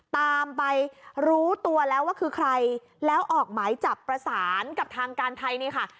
ตามไปรู้ตัวแล้วว่าคือใครแล้วออกหมายจับประสานกับทางการไทยนี่ค่ะ